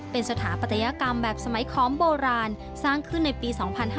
เป็นสถาปัตยกรรมแบบสมัยขอมโบราณสร้างขึ้นในปี๒๕๕๙